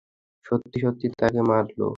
সত্যি সত্যিই তাকে মারলো।